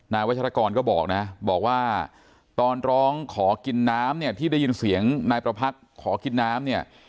วัชรกรก็บอกนะบอกว่าตอนร้องขอกินน้ำเนี่ยที่ได้ยินเสียงนายประพักษ์ขอกินน้ำเนี่ย